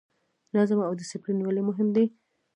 نظم او ډیسپلین ولې مهم دي؟